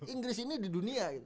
inggris ini di dunia